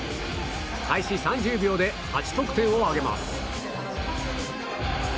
開始３０秒で８得点を挙げます。